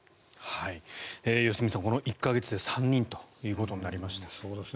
良純さん、この１か月で３人ということになりました。